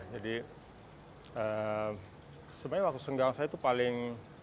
jadi sebenarnya waktu senggang saya itu paling